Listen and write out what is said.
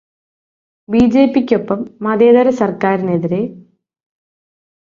ബിജെപിക്കൊപ്പം മതേതര സര്ക്കാരിനെതിരെ